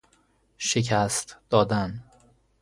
شکست دادن